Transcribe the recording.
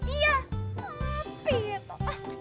iya tapi itu